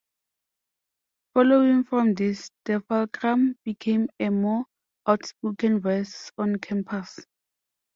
Following from this, "The Fulcrum" became a more outspoken voice on campus.